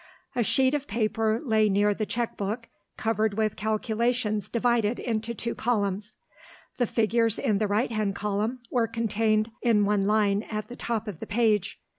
A sheet of paper lay near the cheque book, covered with calculations divided into two columns. The figures in the right hand column were contained in one line at the top of the page.